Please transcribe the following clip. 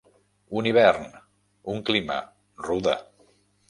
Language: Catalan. Un hivern, un clima, rude.